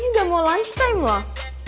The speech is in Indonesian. ini gak mau lunch time lah